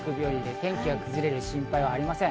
天気が崩れる心配はありません。